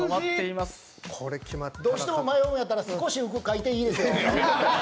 どうしても迷うんやったら「少し浮く」書いていいですよ。